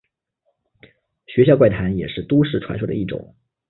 学校怪谈也是都市传说的一种。